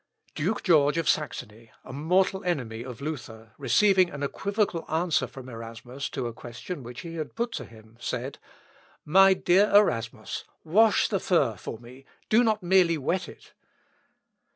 '" Duke George of Saxony, a mortal enemy of Luther, receiving an equivocal answer from Erasmus to a question which he had put to him, said, "My dear Erasmus, wash the fur for me, and do not merely wet it."